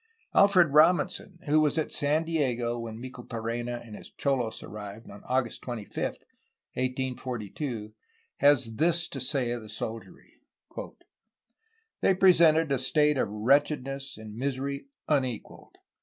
'' Alfred Robinson, who was at San Diego when Micheltorena and his cholos arrived on August 25, 1842, has this to say of the soldiery: P^"They presented a state of wretchedness and misery unequalled.